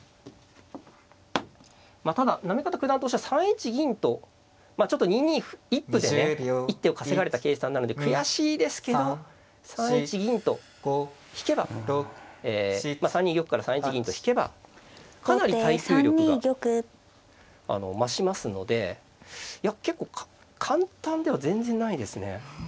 まあただ行方九段としては３一銀とまあちょっと２二歩一歩でね一手を稼がれた計算なので悔しいですけど３一銀と引けばまあ３二玉から３一銀と引けばかなり耐久力が増しますのでいや結構簡単では全然ないですね。